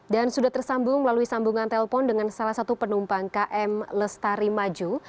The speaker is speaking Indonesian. sudah tersambung melalui sambungan telpon dengan salah satu penumpang km lestari maju